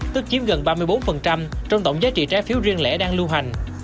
tức chiếm gần ba mươi bốn trong tổng giá trị trái phiếu riêng lẻ đang lưu hành